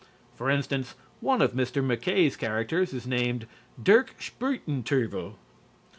For instance, one of Mr. MacKaye's characters is named "Dirck Spuytenduyvil."